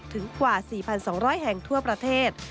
ถึงกว่า๔๒๐๐แห่งทั่วประเทศ